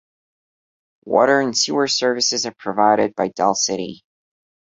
Water and sewer services are provided by Del City.